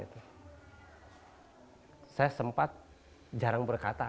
saya sempat jarang berkata